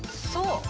そう。